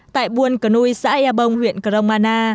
tại buôn cờ nui xã ea bông huyện cờ rông ma na